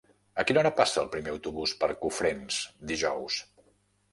A quina hora passa el primer autobús per Cofrents dijous?